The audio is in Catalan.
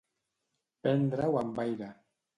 Prendre-ho amb aire.